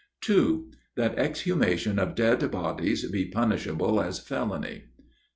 2. That the exhumation of dead bodies be punishable as felony. 3.